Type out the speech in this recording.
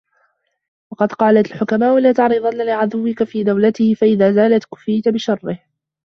وَقَدْ قَالَتْ الْحُكَمَاءُ لَا تَعْرِضَنَّ لِعَدُوِّك فِي دَوْلَتِهِ فَإِذَا زَالَتْ كُفِيَتْ شَرَّهُ